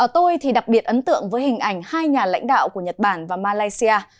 tôi đặc biệt ấn tượng với hình ảnh hai nhà lãnh đạo của nhật bản và malaysia